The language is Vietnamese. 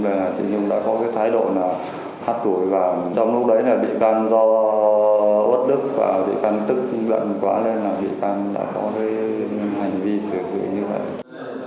nhưng mà chị nhung đã có cái thái độ là hát tuổi và trong lúc đấy là vị trang do ớt đức và vị trang tức giận quá nên là vị trang đã có cái hành vi sửa sửa như vậy